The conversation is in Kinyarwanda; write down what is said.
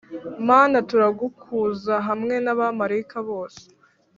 Mana turagukuza hamwe n’abamarayika bose